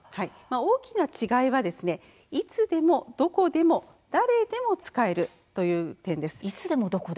大きな違いはいつでも、どこでも誰でも使えるという点です。